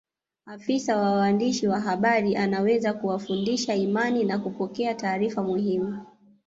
Afisa wa waandishi wa habari anaweza kuwafundisha imani na kupokea taarifa muhimu